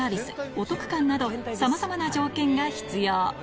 お得感などさまざまな条件が必要